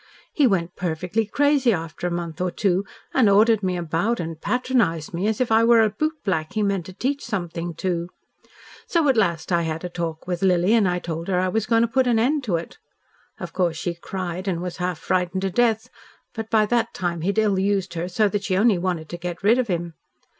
He went perfectly crazy after a month or so and ordered me about and patronised me as if I was a bootblack he meant to teach something to. So at last I had a talk with Lily and told her I was going to put an end to it. Of course she cried and was half frightened to death, but by that time he had ill used her so that she only wanted to get rid of him.